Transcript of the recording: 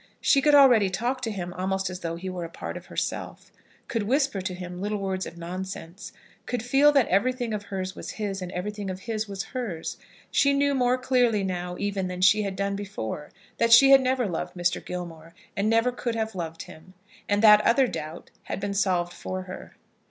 She could already talk to him almost as though he were a part of herself, could whisper to him little words of nonsense, could feel that everything of hers was his, and everything of his was hers. She knew more clearly now even than she had done before that she had never loved Mr. Gilmore, and never could have loved him. And that other doubt had been solved for her.